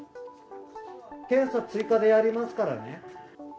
検査追加でやりますからね。